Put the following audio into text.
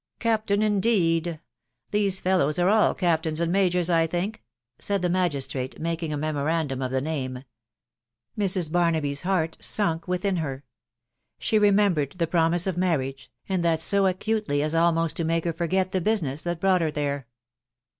" Captain, indeed !.•. These fellows are all captains and majors, I think," said the magistrate, making a memorandum of the name. Mrs. Barnaby's heart sunk within her. 8be remembered the promise of' marriage, and that so acutely at almost to make her forget the business that brought her there.